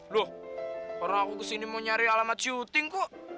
loh orang aku kesini mau nyari alamat syuting kok